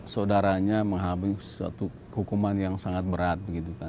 saudaranya menghabis suatu hukuman yang sangat berat